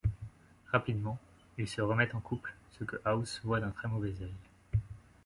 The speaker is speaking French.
Rapidement, ils se remettent en couple, ce que House voit d'un très mauvais œil.